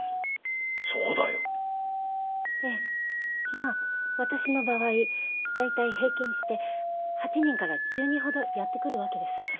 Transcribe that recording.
まあ私の場合だいたい平均して８人から１０人ほどやって来るわけです。